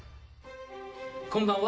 こんばんは。